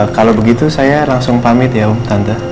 kalau begitu saya langsung pamit ya om tante